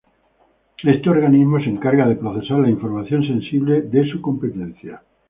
Este organismo se encarga de procesar la información sensible de su competencia.